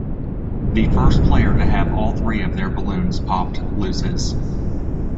The first player to have all three of their balloons popped loses.